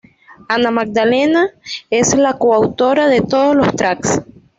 Ana Magdalena es la co-autora de todos los tracks.